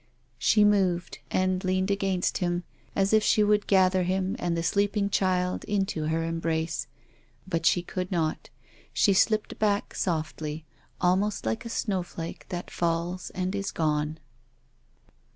She moved, and leaned against him, as if she would gather him and the sleeping child into her embrace. But she could not. She slipped back softly, almost like a snowflake that falls and is gone.